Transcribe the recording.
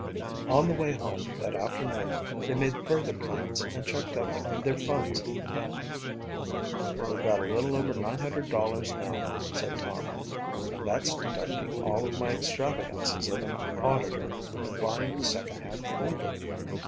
On the way home that afternoon they made further plans and checked up on their funds in the bank. "We've got a little over $900 right now," said Tom, "and that's deducting all of my extravagances of an auditor and buying the second hand folder.